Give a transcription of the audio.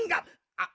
あっ！